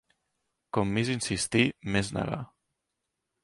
Com més insistir, més negar.